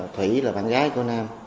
thủy là bạn gái của nam